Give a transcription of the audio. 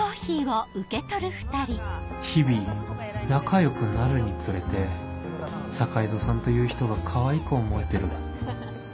日々仲良くなるにつれて坂井戸さんという人がかわいく思えてる